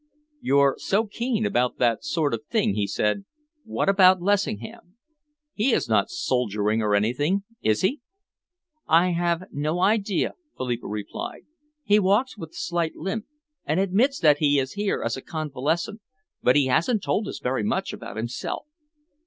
"You're so keen about that sort of thing," he said, "what about Lessingham? He is not soldiering or anything, is he?" "I have no idea," Philippa replied. "He walks with a slight limp and admits that he is here as a convalescent, but he hasn't told us very much about himself."